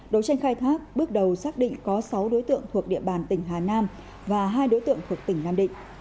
đấu tranh khai thác bước đầu xác định có sáu đối tượng thuộc địa bàn tỉnh hà nam và hai đối tượng thuộc tỉnh nam định